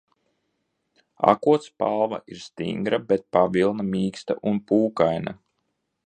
Akotspalva ir stingra, bet pavilna mīksta un pūkaina.